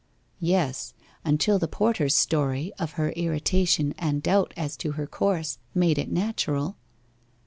'Yes, until the porter's story of her irritation and doubt as to her course made it natural.